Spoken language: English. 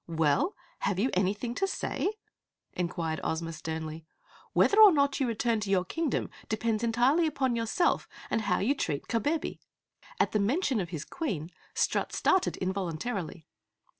"Well, have you anything to say?" inquired Ozma sternly. "Whether or not you return to your Kingdom depends entirely upon yourself and how you treat Kabebe." At mention of his Queen, Strut started, involuntarily.